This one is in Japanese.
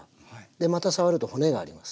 また触ると骨があります。